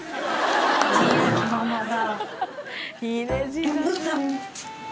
自由気ままだ。